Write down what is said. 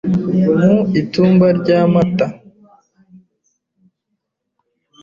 Mu itumba rya Mata